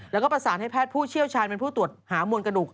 แล้วก็ประสานให้แพทย์ผู้เชี่ยวชาญเป็นผู้ตรวจหามวลกระดูก